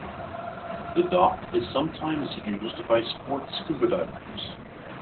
The dock is sometimes used by sport scuba divers.